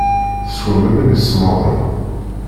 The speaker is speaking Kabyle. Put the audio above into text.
Teswam aman isemmaḍen.